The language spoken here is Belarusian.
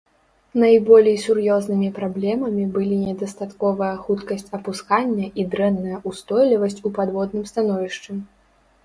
Найболей сур'ёзнымі праблемамі былі недастатковая хуткасць апускання і дрэнная ўстойлівасць у падводным становішчы.